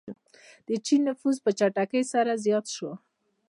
د چین نفوس په چټکۍ سره زیات شو.